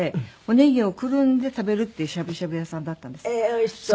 おいしそう。